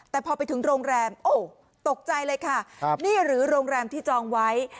แต่พอไปถึงโรงแรมโอ้ตกใจเลยค่ะครับนี่หรือโรงแรมที่จองไว้